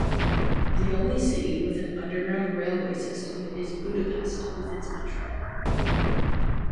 The only city with an underground railway system is Budapest with its Metro.